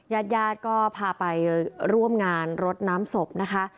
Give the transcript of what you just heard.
ญาติญาติก็พาไปร่วมงานรดน้ำศพนะคะ